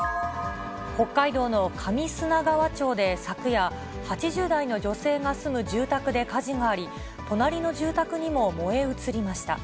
北海道の上砂川町で昨夜、８０代の女性が住む住宅で火事があり、隣の住宅にも燃え移りました。